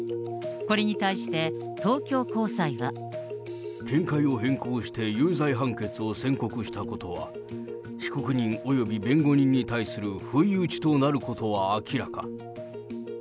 これに対して東京高裁は。見解を変更して、有罪判決を宣告したことは、被告人および弁護人に対する不意打ちとなることは明らか。